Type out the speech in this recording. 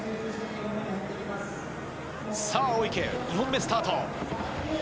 さぁ大池、２本目スタート。